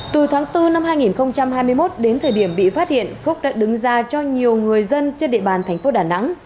từ tháng bốn năm hai nghìn hai mươi một đến thời điểm bị phát hiện phúc đã đứng ra cho nhiều người dân trên địa bàn thành phố đà nẵng